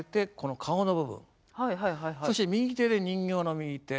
そして右手で人形の右手。